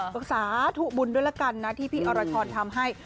สาธุบุญด้วยละกันนะที่พี่อรชรทำให้